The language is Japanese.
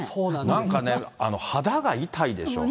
なんか肌が痛いでしょ。